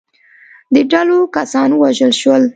د ډلو کسان ووژل شول.